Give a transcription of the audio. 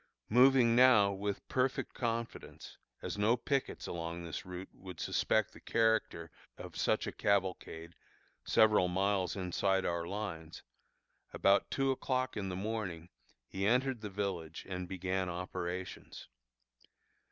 Moving now with perfect confidence, as no pickets along this route would suspect the character of such a cavalcade several miles inside our lines, about two o'clock in the morning he entered the village and began operations.